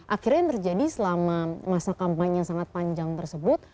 akhirnya yang terjadi selama masa kampanye yang sangat panjang tersebut